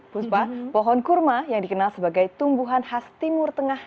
puspa pohon kurma yang dikenal sebagai tumbuhan khas timur tengah